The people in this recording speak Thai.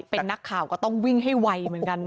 เป็นนักข่าวก็ต้องวิ่งให้ไวเหมือนกัน